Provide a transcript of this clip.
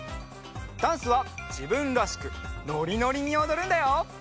ダンスはじぶんらしくノリノリにおどるんだよ。